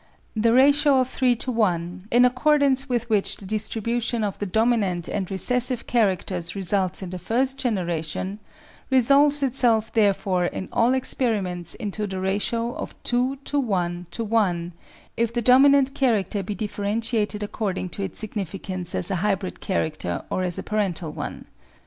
The ratio of 3 to 1, in accordance with which the distribution of the dominant and recessive characters results in the first genera tion, resolves itself therefore in all experiments into the ratio of 2:1:1 if the dominant character be differentiated according to its significance as a hybrid character or as a parental one.